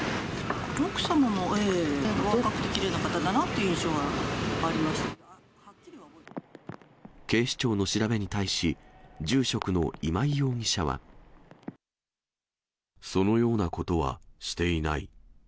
奥様もお若くてきれいな方だなと警視庁の調べに対し、そのようなことはしていない。